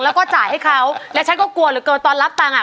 แล้วก็จ่ายให้เขาและฉันก็กลัวตอนรับตังค์อ่ะ